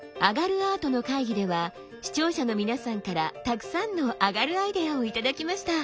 アートの会議」では視聴者の皆さんからたくさんのあがるアイデアを頂きました。